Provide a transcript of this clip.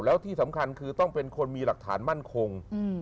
แล้วที่สำคัญคือต้องเป็นคนมีหลักฐานมั่นคง